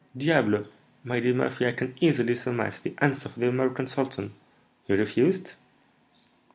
"Diable! my dear Murphy, I can easily surmise the answer of the American sultan, he refused?"